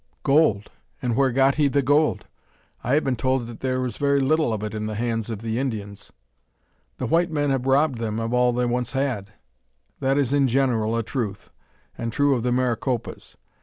"Gold! and where got he the gold? I have been told that there is very little of it in the hands of Indians. The white men have robbed them of all they once had." "That is in general a truth; and true of the Maricopas.